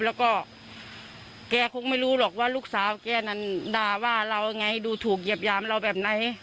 แล้วก็แกคงไม่รู้หรอกว่าลูกสาวแกนั้นด่าว่าเราไงดูถูกเหยียบยามเราแบบไหน